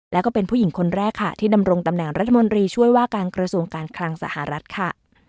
แล้วก็เป็นผู้หญิงคนแรกค่ะที่ดำรงตำแหน่งรัฐมนตรีช่วยว่าการกระทรวงการคลังสหรัฐค่ะ